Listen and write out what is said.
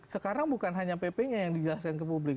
sekarang bukan hanya pp nya yang dijelaskan ke publik